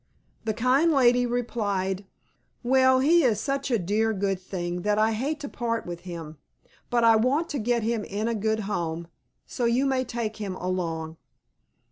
The kind lady replied, "Well, he is such a dear good thing that I hate to part with him, but I want to get him in a good home, so you may take him along."